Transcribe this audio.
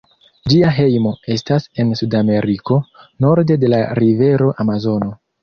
Ĝia hejmo estas en Sudameriko, norde de la rivero Amazono.